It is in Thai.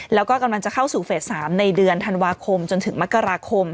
แล้วก็กำลังจะเข้าสู่เฟส๓ในเดือนธันวาคมจนถึงมกราคม